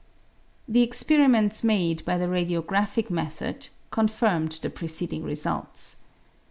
The experiments made by the radiographic method con firmed the preceding results.